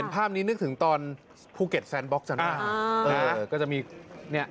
มาแลนด์ตอนประมาณเที่ยง๕๐